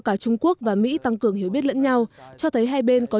cả trung quốc và mỹ tăng cường hiểu biết lẫn nhau cho thấy hai bên có